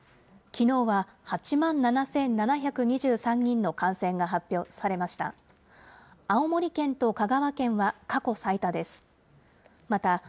きのうは８万７７２３人の感染が発表されました。